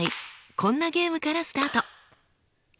こんなゲームからスタート。